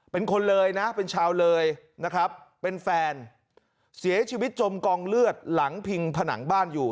เป็นคนเลยนะเป็นชาวเลยนะครับเป็นแฟนเสียชีวิตจมกองเลือดหลังพิงผนังบ้านอยู่